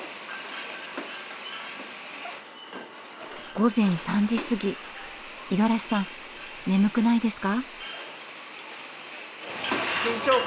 午前３時過ぎ五十嵐さん眠くないですか？